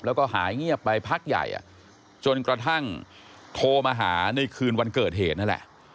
แล้วก็หายเงียบไปพักใหญ่จนกระทั่งโทรมาหาในคืนวันเกิดเหตุนั่นแหละ